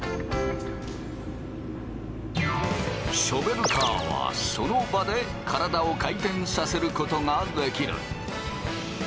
ショベルカーはその場で体を回転させることができる。